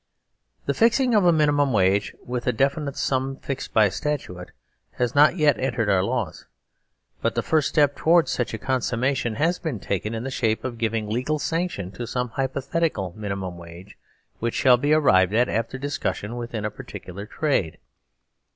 The fixing of a Minimum Wage, with a definite sum fixed by statute, has not yet entered our laws, but the first step towards such a consummation has been taken in theshapeof giving legal sanction tosome 1 66 SERVILE STATE HAS BEGUN hypothetical Minimum Wage which shall be arrived at after discussion within a particular trade.